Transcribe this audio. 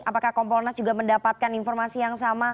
apakah kompolnas juga mendapatkan informasi yang sama